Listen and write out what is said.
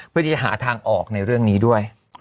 เพื่อที่จะหาทางออกในเรื่องนี้ด้วย